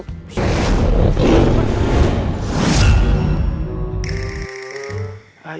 tidak ada perlawanan